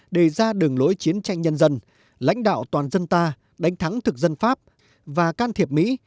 đề ra đường lối chiến tranh nhân dân lãnh đạo toàn dân ta đánh thắng thực dân pháp và can thiệp mỹ